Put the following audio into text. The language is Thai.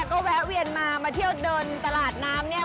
ก็แวะเวียนมามาเที่ยวเดินตลาดน้ำเนี่ย